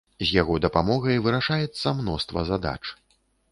З яго дапамогай вырашаецца мноства задач.